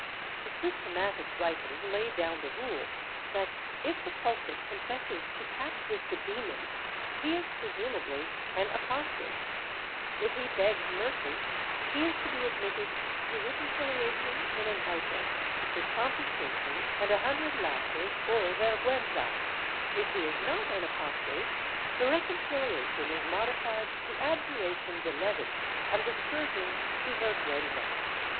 The systematic writers lay down the rule that, if the culprit confesses to pact with the demon, he is presumably an apostate; if he begs mercy he is to be admitted to reconciliation in an auto, with confiscation and a hundred lashes or vergiienza; if he is not an apostate, the reconciliation is modified to abjuration de levi and the scourging to vergiienza.